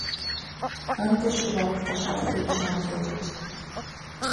Ынде шӱвалыкташат кленчам йодыт.